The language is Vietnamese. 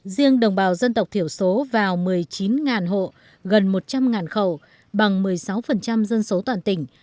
riêng đồng bào dân tộc thiểu số vào một mươi chín hộ gần một trăm linh khẩu bằng một mươi sáu dân số toàn tỉnh